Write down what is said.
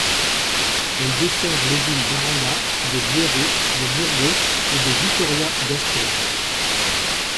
Elle dessert les villes d'Aranda de Duero, de Burgos et de Vitoria-Gasteiz.